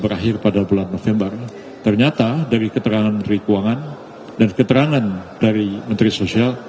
terakhir pada bulan november ternyata dari keterangan menteri keuangan dan keterangan dari menteri sosial